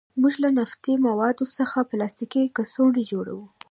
موږ له نفتي موادو څخه پلاستیکي کڅوړې جوړوو.